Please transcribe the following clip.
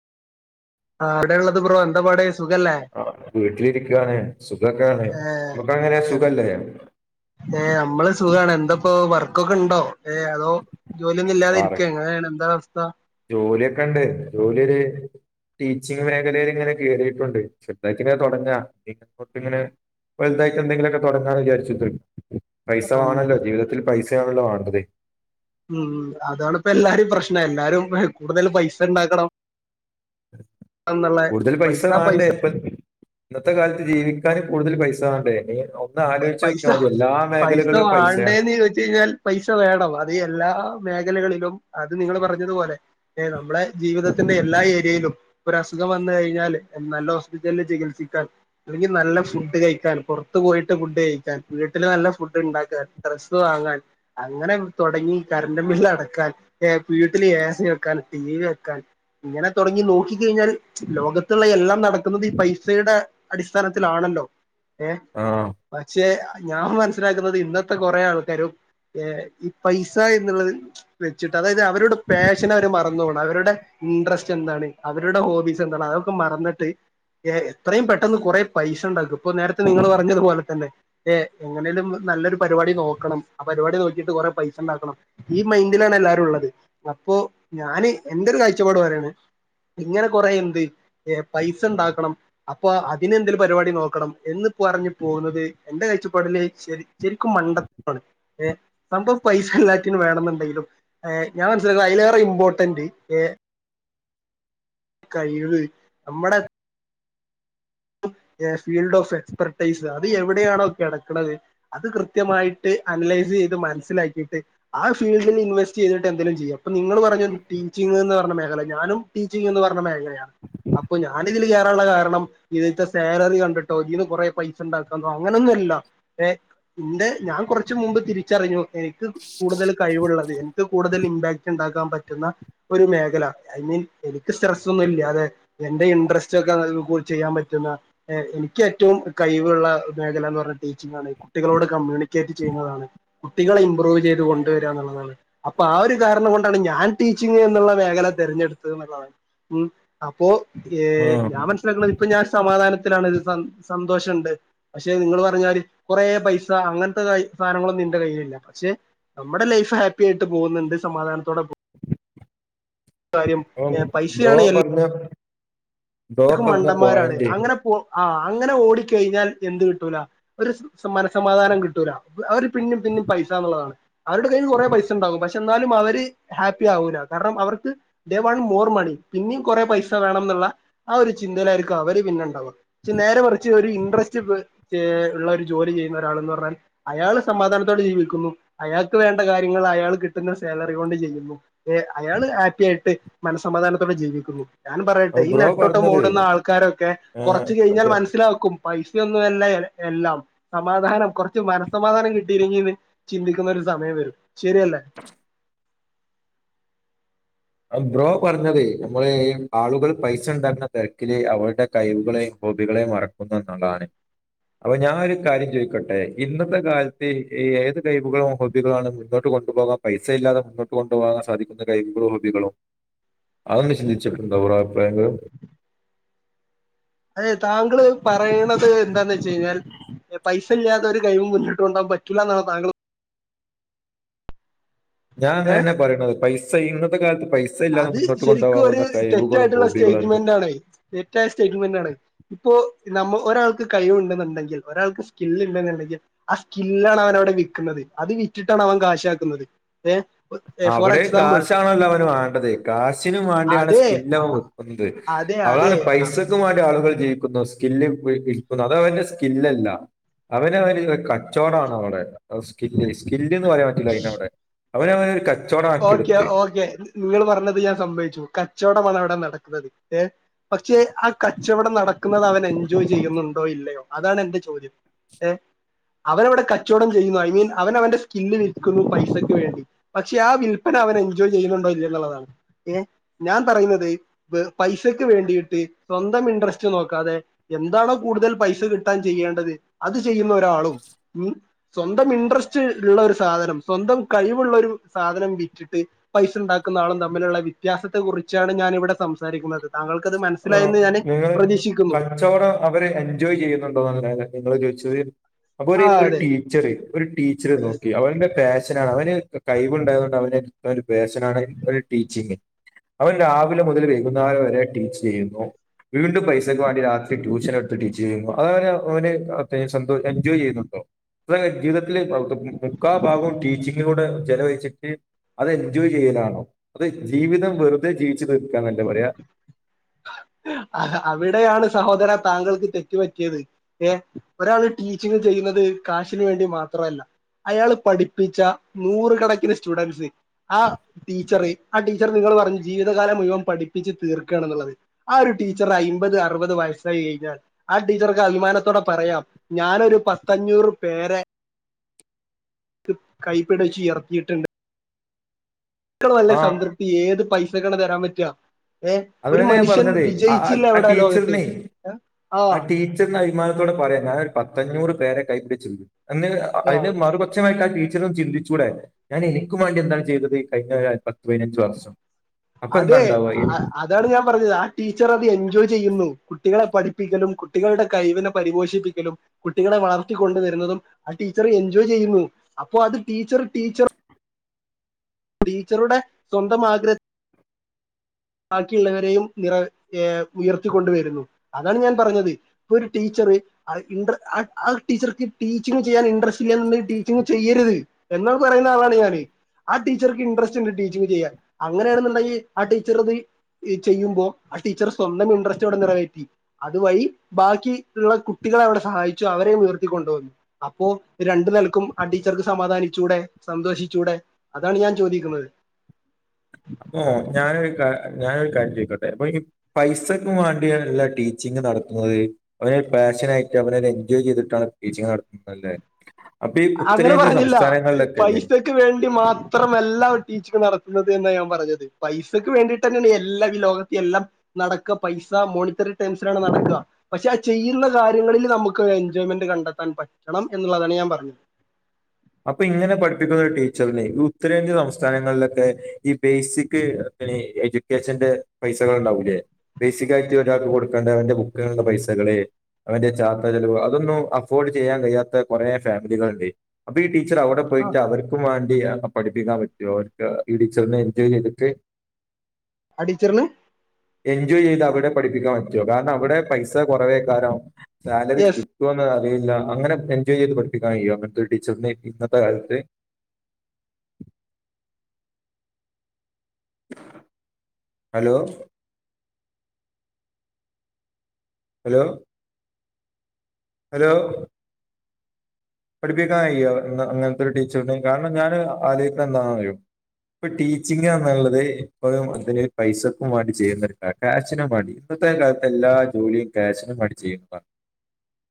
ആ ഏവിടെള്ളത് ബ്രോ എന്താ പാട് സുഖല്ലേ ആ വീട്ടിലിരിക്കാണ് സുഖൊക മ്മക്കെങ്ങനേ എന്ത് സുഖല്ലേ ഏ നമ്മള് സുഖാണ് എന്താപ്പോ വർക്കൊക്കെ ഇണ്ടോ ഏ അതോ ജോലിയൊന്നും വേറെ ഇല്ലാതെരിക്കെ എങ്ങനേണ് എന്താ അവസ്ഥ ജോലിയൊക്കെ ഇണ്ട് ജോലിയൊര് ടീച്ചിങ് മേഖലയിലിങ്ങനെ കേറീട്ടുണ്ട് ചെറുതായിട്ട് ഇങ്ങനെ തൊടങ്ങാ ഇനിയങ്ങോട്ട് ഇങ്ങനെ വലുതായിട്ടെന്തെങ്കിലൊക്കെ തൊടങ്ങാന്ന് വിചാരിച്ച്ട്ട്ണ്ട് പൈസ ഉം വാണല്ലോ ജീവിതത്തിൽ പൈസ് സേണല്ലോ വാണ്ടത് മ്മ് അതാണിപ്പെല്ലാരിം പ്രശ്നം എല്ലാരും കൂടുതൽ പൈസ ഇണ്ടാക്കണം കൂടുതൽ പൈസ വാണ്ടേ ഇപ്പ ഇന്നത്തെ കാലത്ത് ജീവിക്കാൻ കൂടുതൽ പൈസ വാണ്ടേ ഏ ഒ പൈസ പൈസ പൈസയാ വാണ്ടേന്ന് ചോദിച്ച യിഞ്ഞാൽ പൈസ വേണം അത് എല്ലാ മേഖലകളിലും അത് നിങ്ങൾ പറഞ്ഞതുപലെ നമ്മുടെ ജീവിതത്തിന്റെ എല്ലാ ഏരിയയിലും ഒരു അസുഖം വന്ന കഴിഞ്ഞാല് നല്ല ഹോസ്പിറ്റലിൽ ചികിത്സിക്കാൻ അല്ലെങ്കിൽ നല്ല ഫുഡ് കഴിക്കാൻ പുറത്ത പോയിട്ട് പോയിട്ട് ഫുഡ് കഴിക്കാൻ വീട്ടില് നല്ല ഫുഡ്ണ്ടാക്കാൻ ഡ്രസ്സ് വാങ്ങാൻ അങ്ങനെ തൊടങ്ങി കറണ്ട് ബില്ലടക്കാൻ ഏ വീട്ടില് ഏ സി വെക്കാൻ ടി വി വെക്കാൻ ഇങ്ങനെ തൊടങ്ങി നോക്കികഴിഞ്ഞാല് ലോകത്തുള്ള എല്ലാം നടക്കുന്നത് ഈ പൈസയുടെ അടിസ്ഥാനത്തിലാണല്ലോ ഏ ആ പക്ഷെ ഞാൻ മനസ്സിലാക്കുന്നത് ഇന്നത്തെ കൊറെ ആൾക്കാരും ഈ പൈസ എന്നുള്ളത് വെച്ചിട്ട് അതായത് അവരുടെ പാഷൻ അവര് മറന്നോവ് അവരുടെ ഇൻട്രസ്റ്റ് എന്താണ് അവരുടെ ഹോബീസ് എന്താണ് അതൊക്കെ മറന്നിട്ട് എത്രയും പെട്ടെന്ന് കൊറേ പൈസണ്ടാക്ക ഇപ്പ നേരത്തെ നിങ്ങൾ പറഞ്ഞത്പോലെ തന്നെ ഏ എങ്ങനേലും നല്ലൊരു പരിപാടി നോക്കണം ആ പരിപാടി നോക്കീട്ട് കൊറേ പൈസ ഇണ്ടാക്കണം ഈ മൈൻഡിലാണ് എല്ലാരുള്ളത് അപ്പോ ഞാന് എൻ്റൊര് കാഴ്ചപ്പാട് പറയാണ് ഇങ്ങനെ കൊറെ എന്ത് ഏ പൈസ ഉണ്ടാക്കണം അപ്പൊ അതിനെന്തേലും പരിപാടി നോക്കണം എന്ന് പറഞ്ഞ് പോണോൽ ല് എന്റെ കാഴ്ചപ്പാടില് ശരി ശരിക്കും മണ്ടത്തരാണ് ഏ സംഭവം പൈസ എല്ലാറ്റിനും വേണംന്നുണ്ടെങ്കിലും ഞാൻ മനസിലാക്ക അയിലേറെ ഇമ്പോർട്ടന്റ് ഏ കഴിവ് അമ്മടെ ഫീൽഡ് ഓഫ് എക്സ്പെർട്ടൈസ് അത് എവിടെയാണോ കെടക്ക്ണത് അത് കൃത്യമായിട്ട് അനലൈസ് ചെയ്ത് മനസ്സിലാക്കിയിട്ട് ആ ഫീൽഡിൽ ഇൻവെസ്റ്റ് ചെയ്തിട്ട് എന്തെലും ചെയ്യാ ഇപ്പം നിങ്ങള് പറഞ്ഞ ടീച്ചിങ്ന്ന് പറഞ്ഞ മേഖല ഞാനും ടീച്ചിങ് എന്ന് പറഞ്ഞ മേഖല അപ്പോ ഞാൻ ഇതിൽ കേറാനുള്ള കാരണം ഇതിത്തെ സാലറി കണ്ടിട്ടോ ഇതീന്ന് കൊറേ പൈസണ്ടാക്കാന്നോ അങ്ങനൊന്നു അല്ല ഏ ഇന്റെ ഞാൻ കൊറച്ച് മുമ്പ് തിരിച്ചറിഞ്ഞു എനിക്ക് കൂടുതൽ കഴിവുള്ളത് എനിക്ക് കൂടുതൽ ഇമ്പാക്ട്ണ്ടാക്കാൻ പറ്റുന്ന ഒരു മേഖല ഐ മീൻ എനിക്ക് സ്ട്രെസ്സ് ഒന്നും ഇല്ലാതെ എന്റെ ഇൻട്രസ്റ്റ് ഒക്കെ ചെയ്യാൻ പറ്റ് പറ്റുന്ന ഏ ഇനിക്കേറ്റവും കഴിവുള്ള മേഖലാന്ന് പറഞ്ഞ ടീച്ചിങ് ആണ് കുട്ടികളോട് കമ്മ്യൂണിക്കേറ്റ് ചെയ്യുന്നതാണ് കുട്ടികളെ ഇമ്പ്രൂവ് ചെയ്ത് കൊണ്ടുവരുകന്നുള്ളതാണ് അപ്പൊ ആ ഒരു കാരണം കൊണ്ടാണ് ഞാൻ ടീച്ചിങ് എന്നുള്ള മേഖല തിരഞ്ഞെടുത്തത് എന്നുള്ളതാണ് മ്മ് അപ്പോ ഏ ഞാൻ മനസ്സിലാക്ക്ണത് ഇപ്പൊ ഞാൻ സമാധാനത്തിലാണ് സന്തോഷണ്ട് പക്ഷെ നിങ്ങൾ പറഞ്ഞാതിരി കൊറേ പൈസ അങ്ങനത്തെ സാനങ്ങളൊന്നും ഈന്റെ കയ്യിലില്ല പക്ഷെ നമ്മുടെ ലൈഫ് ഹാപ്പി ആയിട്ട് പോകുന്നുണ്ട് സമാധാനത്തോടെ പോ കാര്യം ഐ ആഹ് ബ്രോ പൈസയാണ് എല്ല് പറഞ്ഞ ബ്രോ കും പറഞ്ഞ മണ്ടന്മാരാണ് പോയിന്റ് അങ്ങനെ പോ ആ അങ്ങനെ ഓടിക്കെഴിഞ്ഞാൽ എന്ത് കിട്ടൂല ഒരു മനസമാധാനം കിട്ടൂല അവര് പിന്നിം പിന്നിം പൈസന്നുള്ളതാണ് അവരുടെ കയ്യിൽ കൊറേ പൈസണ്ടാവും പക്ഷെ എന്നാലും അവര് ഹാപ്പി ആവൂല കാരണം അവർക്ക് ദേ വാണ്ട് മോർ മണി പിന്നിം കൊറേ പൈസ വേണംന്ന്ള്ള ആ ഒരു ചിന്തയിലായിരിക്കും അവര് പിന്നെണ്ടാവ നേരെ കുറച്ച് ഒരു ഇൻട്രസ്റ്റ് ഉള്ള ഒരു ജോലി ചെയ്യുന്ന ഒരാൾന്ന് പറഞ്ഞാൽ അയാൾ സമാധാനത്തോട് ജീവിക്കുന്നു അയാൾക്ക് വേണ്ട കാര്യങ്ങൾ അയാൾ കിട്ടുന്ന സാലറി കൊണ്ട് ചെയ്യുന്നു ഏ അയാള് ഹാപ്പി ആയിട്ട് മനസ്സമാധാനത്തോടെ ജീവിക്കുന്നു ഞാൻ പറയട്ടെ ഈ ബ്രോ നട്ട പറഞ്ഞത് ഓടുന്ന ആൾക്കാരൊക്കെ ഏഹ് കുറച്ച് കഴിഞ്ഞാൽ അത് മനസിലാക്കും പൈസൊന്നുമല്ല എല്ലാം സമാധാനം കുറച്ച് മനസ്സമാധാനം കിട്ടിയില്ലെങ്കിൽന്ന് ചിന്തിക്കുന്ന ഒരു സമയം വരും ശരിയല്ലേ ആ ബ്രോ പറഞ്ഞത് നമ്മൾ ആളുകൾ പൈസ ഉണ്ടായിരുന്ന തിരക്കില് അവളടെ കഴിവുകളെയും ഹോബികളെയും മറക്കുന്ന നളാണ് അപ്പൊ ഞാനൊരു കാര്യം ചോദിക്കോട്ടെ ഇന്നത്തെ കാലത്ത് ഈ ഏത് കഴിവുകളും ഹോബികളുംാണ് മുന്നോട്ട് കൊണ്ടുപോകാൻ പൈസ ഇല്ലാതെ മുന്നോട്ട് കൊണ്ടുപോകാൻ സാധിക്കുന്ന കഴിവുകളും ളും അന്ന് ചിന്തിച്ചിട്ടണ്ട അവ അഭിപ്രായങ്ങളും അതെ താങ്കള് പറയണത് എന്താന്ന് വെച്ച കഴിഞ്ഞാൽ പൈസ ഇല്ലാത്ത ഒരു കഴിവ് മുന്നോട്ട് കൊണ്ടകാൻ പറ്റൂില്ല എന്നാണ് താങ്കൾ ഏ ഞാൻങ്ങന്നെ പറയുന്നത് പൈസ സ ഇന്നത്തെ കാ അത് ശരിക്കും ഒരു തെറ്റായിട്ടുള്ള ഹോബികളും സ്റ്റേറ്റ്മെന്റ് ആണ് തെറ്റായ സ്റ്റേറ്റ്മെന്റാണ് ഇപ്പോ നമ്മ ഒരാൾക്ക് കയിവുണ്ടെന്നുണ്ടെങ്കിൽ ഒരാൾക്ക് സ്കില് ഇണ്ടെന്നുണ്ടെങ്കിൽ ആ സ്കില്ലാണ് അവൻ അവിടെ വിക്കുന്നത് അത് വിറ്റിട്ടാണ് അവൻ കാശാക്കുന്നത് ഏ അവിടെ കാശാണല്ലൊ അവനങ്ങ ത് കാശിന് വേണ്ടിയാണ് അതെ സ്കില്ലവൻ വിക്കുന്നത്. അതെ അതെ അതാണ് പൈസക്ക വേണ്ടി ആളുകൾ വിൽക്കുന്നു സ്കില്ല് [unintelligible] അതവന്റെ സ്കില്ലല്ല അവന അവര് കച്ചോടാണ് അവടെ സ്ക സ്ക ഇന്ന് പറയാൻ പറ്റില്ല അയ്നവിടെ അവന അവ ഓക്കെ ഓക്കെ നിങ്ങൾ പറഞ്ഞത് ഞാൻ സമ്മേച്ചു കച്ചോടമാണ് അവിടെ നടക്കുന്നത്. ഏ പക്ഷേ ആ കച്ചവടം നടക്കുന്നത് അവൻ എൻജോയ് ചെയ്യുന്നുണ്ടോ ഇല്ലയോ അതാണ് എന്റെ ചോദ്യം ഏ അവനവിടെ കച്ചോടം ചെയ്യുന്നു ഐ മീൻ അവൻ അവന്റെ സ്കില്ല് വിൽക്കുന്നു പൈസക്ക് വേണ്ടി പക്ഷെ ആ വില്പ്പന അവൻ എൻജോയ് ചെയ്യുന്നുണ്ടോ ഇല്ല്യോന്നുള്ളതാണ്. ഏ ഞാൻ പറയുന്നത് പൈസക്ക് വേണ്ടിയിട്ട് സ്വന്തം ഇൻട്രസ്റ്റ് നോക്കാതെ എന്താണോ കൂടുതൽ പൈസ കിട്ടാൻ ചെയ്യേണ്ടത് അത് ചെയ്യുന്ന ഒരാളും ഉം സ്വന്തം ഇൻട്രസ്റ്റ് ഉള്ള ഒരു സാധനം സ്വന്തം കഴിവുള്ള ഒരു സാധനം വിറ്റിട്ട് പൈസ ഉണ്ടാക്കുന്ന ആളും തമ്മിലുള്ള വ്യത്യാസത്തെ കുറിച്ചാണ് ഞാൻ ഇവിടെ സംസാരിക്കുന്നത് താങ്കൾക്കത് അ മനസ്സിലായെന്ന് ഞാൻ നിങ്ങള് പ്രതീക്ഷിക്കുന്നു കച്ചവടം അവര് എൻജോയ് ചെയ്യുന്നുണ്ടോന്ന നിങ്ങള്ോ ശരി അപ്പൊ ഒരു ആ ഒരു അതെ ടീച്ചർ ഒരു ടീച്ചർ നോക്കി അവന്റെ പാഷൻ അവന് കയ്വുണ്ടായോണ്ടവന് ഒര് പേഷനാണ് ടീച്ചിംഗ്. അവന് രാവിലെ മുതല് വൈകുന്നരം വരെ ടീ യ്യുന്നു. വീണ്ടും പൈസക്ക് വേണ്ടി രാത്രി ട്യൂഷൻ എടുത്ത് ടീച്ച് ചെയ്യുന്നു അത് അവന് ഓന് സന്തോ എൻജോയ് ചെയ്യുന്നുണ്ടോ [unintelligible] മുക്കാ ഭാഗവും ടീച്ചിങ്ങിനൂടെ ചെലവഴിച്ചിട്ട് അത് എൻജോയ് ചെയ്യലാണോ അത് ജീവിതം വെറുതെ [unintelligible] ച്ച്ക്കാനല്ലേ പറയാ അവിടെയാണ് സഹോദര താങ്കൾക്ക് തെറ്റ്പറ്റിയത് ഏ ഒരാള് ടീച്ചിങ് ചെയ്യുന്നത് കാശിന് വേണ്ടി മാത്രമല്ല അയാൾ പഠിപ്പിച്ച നൂറുകണക്കിന് സ്റ്റുഡൻറ്സ് ആ ടീച്ചറ് ആ ടീച്ചർ നിങ്ങൾ പറഞ്ഞു ജീവിതകാലം മുഴുവൻ പഠിപ്പിച്ച് തീർക്ക്ആണന്നുള്ളത് ആ ഒരു ടീച്ചർ ഐമ്പത് അറുപത് വയസ്സായി കഴിഞ്ഞാൽ ആ ടീച്ചർക്ക് അഭിമാനത്തോടെ പറയാം ഞാനൊരു പത്തഞ്ഞൂറ് പേരെ കൈപ്പിടിച്ച് ഇയർത്തിയിട്ടുണ്ട് ക്കള വല്ല ആ സംതൃപ്തി ഏത് പൈസ ത്ക്കാണ് തരാൻപറ്റ [unintelligible] അത് തന്നെ ഞാൻ പറഞ്ഞത് ആ ആ അവിടെ ലോകത്ത് ടീച്ചർന് [unintelligible] ആ ടീച്ചർന് അഭിമാനത്തോടെ പറിയാ ഞാനൊരു പത്തഞ്ഞൂറ് പേരെ കഴിപ്പിച്ചുണ്ട് അന്ന് അ അയിന്റെ ആ മറുപക്ഷമായി ടീച്ചോറൊന്ന് ചിന്തിചൂടെ ഞാൻ എനിക്കും മാണ്ടി എന്താണ് ചെയ്തത് കഴിഞ്ഞ പത്ത് പതിനഞ്ച് വർഷം അപ്പൊ എന്താ അതെ ഉണ്ടാവുക ഈ അ അ അതാണ് ഞാൻ പറഞ്ഞത് ആ ടീച്ചറത് എൻജോയ് ചെയ്യുന്നു കുട്ടികളെ പഠിപ്പിക്കലും കുട്ടികളുടെ കഴിവിനെ പരിപോഷിപ്പിക്കലും കുട്ടികളെ വളർത്തിക്കൊണ്ടുവരുന്നതും ആ ടീച്ചർ എൻജോയ് ചെയ്യുന്നു അപ്പൊ അത് ടീച്ചർ ടീച്ചർ ടീച്ചറുടെ സ്വന്തം ആഗ്രഹ ബാക്കിയുള്ളവരെയും നിറ ഏ ഉയർത്തിക്കൊണ്ടുവരുന്നു അതാണ് ഞാൻ പറഞ്ഞത് ഇപ്പൊ ഒരു ടീച്ചർ ഇൻട്ര ആ ആ ഒരു ടീച്ചർക്ക് ടീച്ചിങ് ചെയ്യാൻ ഇൻട്രസ്റ്റ് ഇല്ലാന്ന്ണ്ടെങ്കിൽ ടീച്ചിംഗ് ചെയ്യരുത് എന്നാ പറയുന്ന ആളാണ് ഞാന് ആ ടീച്ചർക്ക് ഇന്ട്രസ്റ്റ് ഉണ്ട് ടീച്ചിംഗ് ചെയ്യാൻ അങ്ങനെണെന്ന്ണ്ടെങ്കിൽ ആ ടീ ടീച്ചറത് ചെയ്യുമ്പോൾ ആ ടീച്ചറെ സ്വന്തം ഇൻട്രസ്റ്റോടെ നിറവേറ്റി അതുവഴി ബാക്കി ഉള്ള കുട്ടികളെ അവടെ സഹായിച്ചു അവരെ ഉയർത്തിക്കൊണ്ടു വന്നു അപ്പോ രണ്ടു നിലക്കും ആ ടീച്ചർക്ക് സമാധാനിച്ചൂടെ സന്തോഷിച്ചൂടെ അതാണ് ഞാൻ ചോദിക്കുന്നത് അപ്പൊ ഞാനൊരു കാ ഞാനൊരു കാര്യം ചോയ്ക്കട്ടെ അപ്പൊ ഈ പൈസക്കും വാണ്ടിയാണല്ലാ ടീച്ചിംഗ് നടത്തുന്നത് അവനരു പാഷനായിട്ട് അവനൊരു എൻജോയ് ചെയ്തിട്ട ട്ടാണ് ടീച്ചിംഗ് നടത്ത്ന്നതല്ലേ അങ്ങനെ പറഞ്ഞില്ല ഇല്ലേ പൈസക്ക് വേണ്ടി മാത്രമല്ലവർ ടീച്ചിങ് നട ന്നത് തന്നെ ഞാൻ പറഞ്ഞത് പൈസക്ക് വേണ്ടിട്ടെന്നാണ് എല്ലാം ഈ ലോകത്തി എല്ലാം നടക്ക പൈസ മോണിറ്ററി ടെൻഷനാണ് നടക്ക പക്ഷെ ആ ചെയ്യുന്ന കാര്യങ്ങളിൽ നമുക്ക് എൻജോയ്മെന്റ് കണ്ടെത്താൻ പറ്റണം എന്നുള്ളതാണ് ഞാൻ പറഞ്ഞത് അപ്പൊ ഇങ്ങനെ പഠിപ്പിക്കുന്നൊരു ടീച്ചർന് ഇ ഉത്തരേന്ത്യ സംസ്ഥാനങ്ങളിലൊക്കെ ഈ ബേസിക് എഡ്യൂക്കേഷന്റെ പൈസകൾ ഉണ്ടാവൂലേ ബേസിക് ആയി ഒരാക്ക് കൊടുക്കണ്ട അവന്റെ ബു ളുള്ള പൈസകള് അവന്റെ ചാർത്ത ചെലവ് അതൊന്നും അഫോർഡ് ചെയ്യാൻ കയ്യാത്ത കൊറേ ഫാമിലികളുണ്ട് അപ്പീ ട്ടീ ചർ അവടെ ആ പോയിട്ട് അവർക്കുവാ ഇയ പഠിപ്പിക്കാൻ പറ്റോ അവർക്ക് ഈ ടീച്ചർനെ എൻജോയ് ചെയ്തിട്ട് ആ ടീച്ചന് എൻജോയ് ചെയ്ത് അവിടെ പഠിപ്പിക്കാൻ പറ്റോ കാരണം അവിടെ പൈസ കുറവേക്കാരം സാലറി യെസ് കിട്ടോന്ന് അറിയില്ല അങ്ങനെ എൻജോയ് ചെയ്ത് പഠപ്പിക്കൻ കയ്യോ അങ്ങൻ ത്തൊരു ടീച്ചർന് ഇന്നത്തെ കാലത്ത് [unintelligible] ഹലോ [unintelligible] ഹലോ ഹലോ പഠിപ്പിക്കാൻ കയ്യോ അങ്ങൻത്തൊരു ടീച്ചന് കാരണം ഞാന് ആലോയ്‌ക്ക്ണെന്താന്നറിയോ ഇപ്പ ടീച്ചിംഗ്റഞ്ഞാലുള്ളത് ഇപ്പഴും അതിന് പൈസക്കും വേണ്ടി ചെയ്യുന്നൊരു കാ ക്യാഷിനും വേണ്ടി ഇപ്പോത്തെ കാലത്ത് എല്ലാ ജോലിയും കാശിനു വേണ്ടി ചെയ്യുന്നതാണ്